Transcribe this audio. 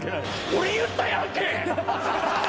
俺言ったやんけ！